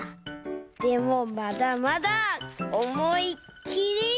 でもまだまだおもいっきり！